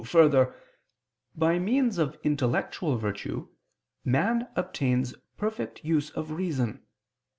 2: Further, by means of intellectual virtue man obtains perfect use of reason.